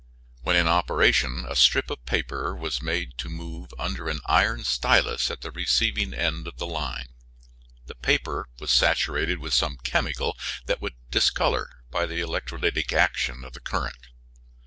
When in operation a strip of paper was made to move under an iron stylus at the receiving end of the line. The paper was saturated with some chemical that would discolor by the electrolytic action of the current.